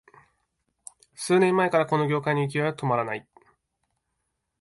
数年前からこの業界の勢いは止まらない